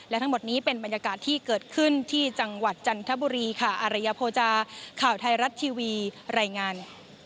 และทั้งหมดนี้เป็นบรรยากาศที่เกิดขึ้นที่จังหวัดจันทบุรีค่ะอารยโภจาข่าวไทยรัฐทีวีรายงาน